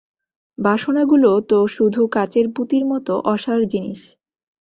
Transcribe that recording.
বাসনাগুলো তো শুধু কাচের পুঁতির মত অসার জিনিষ।